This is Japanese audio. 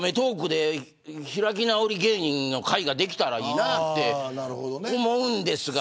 で開き直り芸人の回ができたらいいなと思うんですが。